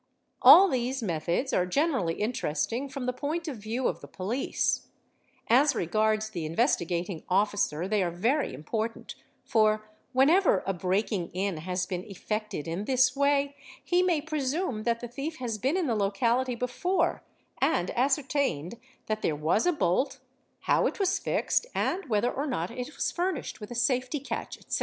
| All these methods are generally interesting from the point of view of — the police; as regards the Investigating Officer, they are very important, ~ for whenever a breaking in has been effected in this way, he may presume that the thief has been in the locality before and ascertained that there © was a bolt, how it was fixed, and whether or not it was furnished with a safety catch, etc.